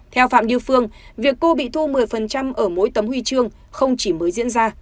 theo phạm như phương việc cô bị thu một mươi ở mỗi tấm huy chương không chỉ mới diễn ra